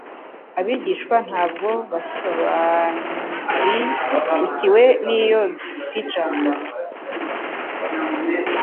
Abigishwa ntabwo basobariukiwe n'iyo pica;